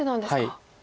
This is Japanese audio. はい。